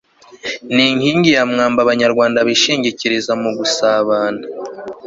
ni inkingi ya mwamba abanyarwanda bishingikiriza mugusabana